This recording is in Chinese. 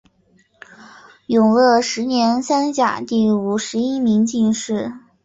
永乐十年三甲第五十一名进士。